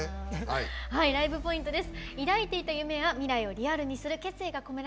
ライブポイントです。